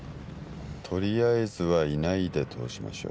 とりあえずは「いない」で通しましょう。